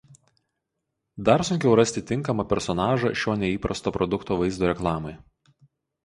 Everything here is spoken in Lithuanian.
Dar sunkiau rasti tinkamą personažą šio neįprasto „produkto“ vaizdo reklamai.